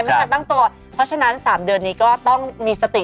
ไม่ทันตั้งตัวเพราะฉะนั้น๓เดือนนี้ก็ต้องมีสติ